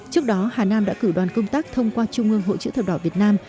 trước đó hà nam đã cử đoàn công tác thông qua trung ương hội chữ thập đỏ việt nam